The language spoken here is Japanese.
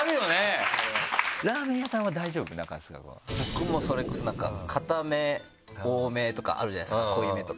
僕もそれ硬め多めとかあるじゃないですか濃いめとか。